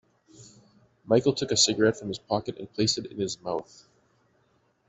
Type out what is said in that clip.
Michael took a cigarette from his pocket and placed it in his mouth.